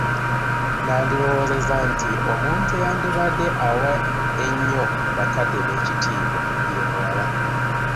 Nandirowoozezza nti omuntu eyandibadde awa ennyo bakadde be ekitiibwa ye muwala.